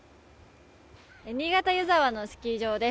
新潟・湯沢のスキー場です。